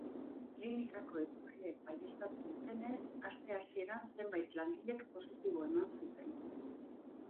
Klinikako iturriek baieztatu dutenez, aste hasieran zenbait langilek positibo eman zuten.